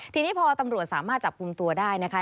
ทีนี้พอตำรวจสามารถจับกลุ่มตัวได้นะคะ